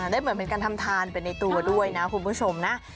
ได้เหมือนเป็นการทำทานไปในตัวด้วยนะคุณผู้ชมนะ